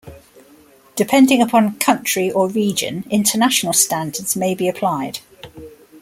Depending upon country or region, international standards may be applied.